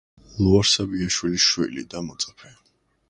ლუარსაბ იაშვილის შვილი და მოწაფე.